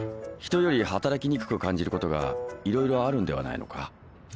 人より働きにくく感じることがいろいろあるんではないのか？